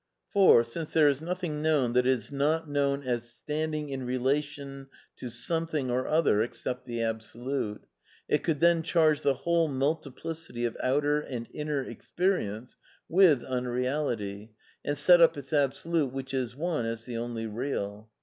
For, since there is nothing known that is not known as standing in relation to something or other (except the Absolute), it could then charge the whole multiplicity of outer and inner experience with unreality and set up its Absolute, which is One, as the only Heal.